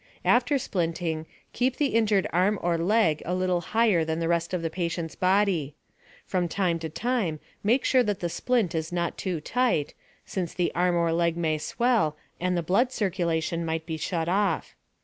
After splinting, keep the injured arm or leg a little higher than the rest of the patient's body. From time to time, make sure that the splint is not too tight, since the arm or leg may swell, and the blood circulation might be shut off.